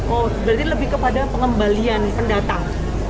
oh berarti lebih kepada pengembalian pendatang